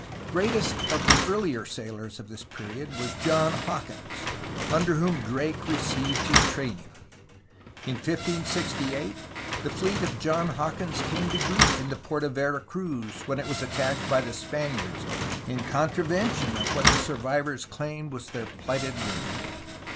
Greatest of the earlier sailors of this period was John Hawkins, under whom Drake received his training. In 1568 the fleet of John Hawkins came to grief in the port of Vera Cruz when it was attacked by the Spaniards in contra vention of what the survivors claimed was their pHghted word.